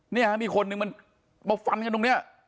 นี่ฮะมีคนหนึ่งมันมาฟันกันตรงนี้